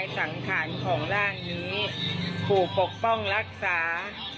ฐานของร่างนี้ปู่ปกป้องรักษา